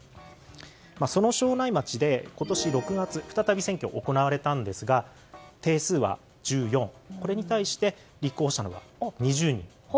その庄内町で、今年６月再び選挙が行われましたが定数の１４に対して立候補したのは２０人。